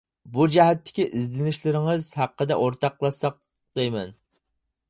بۇ جەھەتتىكى ئىزدىنىشلىرىڭىز ھەققىدە ئورتاقلاشساق دەيمەن.